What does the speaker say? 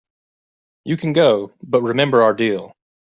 You can go, but remember our deal.